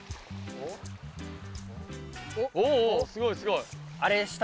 おおすごいすごい！